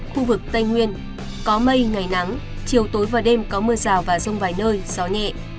khu vực tây nguyên có mây ngày nắng chiều tối và đêm có mưa rào và rông vài nơi gió nhẹ